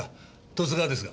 十津川ですが。